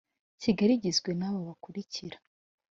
Kigali igizwe n’aba bakurikira